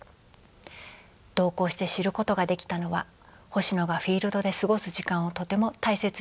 同行して知ることができたのは星野がフィールドで過ごす時間をとても大切にしていたこと。